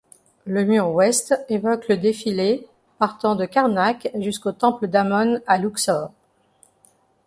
Le mur Ouest évoque le défilé, partant de Karnak jusqu'au temple d'Amon à Louxor.